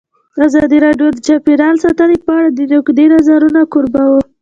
ازادي راډیو د چاپیریال ساتنه په اړه د نقدي نظرونو کوربه وه.